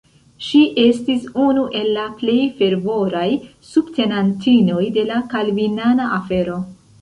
Ŝi estis unu el la plej fervoraj subtenantinoj de la kalvinana afero.